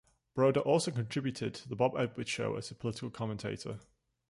Broder also contributed to "The Bob Edwards" Show as a political commentator.